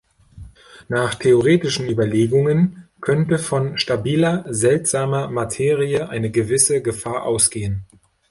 Nach theoretischen Überlegungen könnte von "stabiler" Seltsamer Materie eine gewisse Gefahr ausgehen.